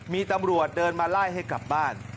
มีตำรวจเดินมาไล่ให้กลับบ้าน